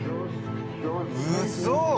ウソ！？